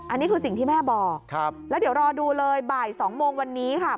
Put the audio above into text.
อันนี้คือสิ่งที่แม่บอกแล้วเดี๋ยวรอดูเลยบ่าย๒โมงวันนี้ค่ะ